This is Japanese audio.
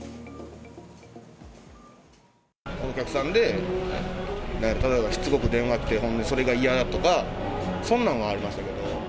お客さんで、例えばしつこく電話来て、ほんでそれが嫌やとか、そんなんはありましたけど。